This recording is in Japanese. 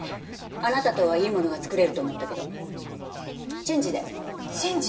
あなたとはいいものが作れると思ったけどチェンジでチェンジ？